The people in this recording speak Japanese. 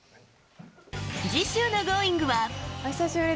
次週の「Ｇｏｉｎｇ！」は。